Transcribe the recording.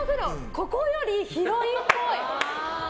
ここより広いっぽい。